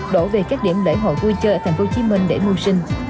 đổ về các điểm lễ hội vui chơi ở tp hcm để mưu sinh